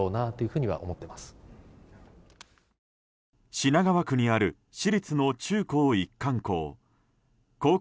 品川区にある私立の中高一貫校。